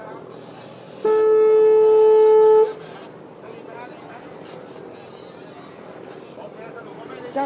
สวัสดีครับ